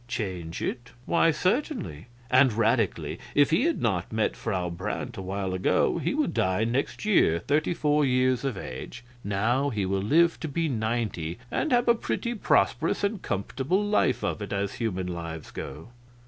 "Change it? Why, certainly. And radically. If he had not met Frau Brandt awhile ago he would die next year, thirty four years of age. Now he will live to be ninety, and have a pretty prosperous and comfortable life of it, as human lives go."